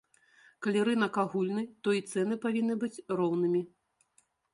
Калі рынак агульны, то і цэны павінны быць роўнымі.